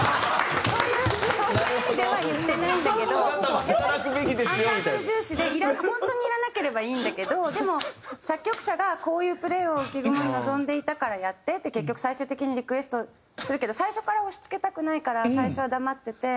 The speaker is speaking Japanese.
そういう意味では言ってないんだけどアンサンブル重視で本当にいらなければいいんだけどでも「作曲者がこういうプレーを浮雲に望んでいたからやって」って結局最終的にリクエストするけど最初から押し付けたくないから最初は黙ってて。